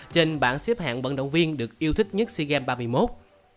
trên bảng xếp hạng vận động viên được yêu thích nhất sea games ba mươi một